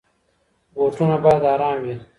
بوټونه بايد ارام وي.